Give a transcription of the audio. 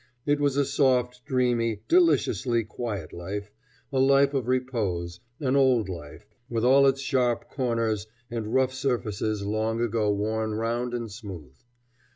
It was a soft, dreamy, deliciously quiet life, a life of repose, an old life, with all its sharp corners and rough surfaces long ago worn round and smooth.